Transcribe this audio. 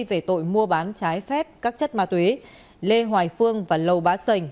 về tội mua bán trái phép các chất ma túy lê hoài phương và lầu bá sành